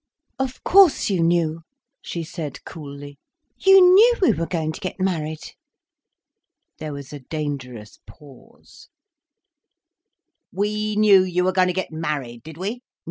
"Of course you knew," she said coolly. "You knew we were going to get married." There was a dangerous pause. "We knew you were going to get married, did we?